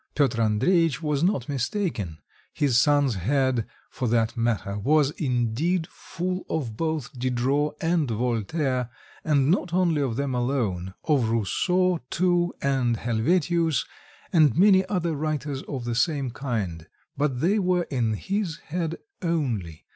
Piotr Andreitch was not mistaken; his son's head for that matter was indeed full of both Diderot and Voltaire, and not only of them alone, of Rousseau too, and Helvetius, and many other writers of the same kind but they were in his head only.